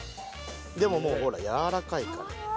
でももうほらやわらかいから。